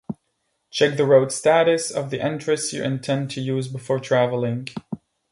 Check the road status of the entrance you intend to use before traveling.